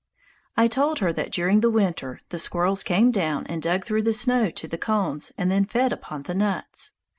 I told her that during the winter the squirrel came down and dug through the snow to the cones and then fed upon the nuts.